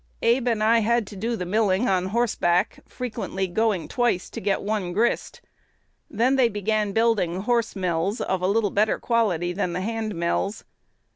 Abe and I had to do the milling on horseback, frequently going twice to get one grist. Then they began building horse mills of a little better quality than the hand mills.